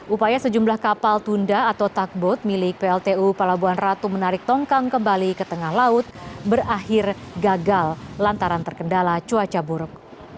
upaya sejumlah kapal tunda atau takbot milik pltu pelabuhan ratu menarik tongkang kembali ke tengah laut berakhir gagal lantaran terkendala cuaca buruk